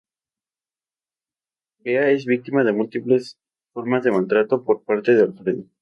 Bea es víctima de múltiples formas de maltrato por parte de Alfredo.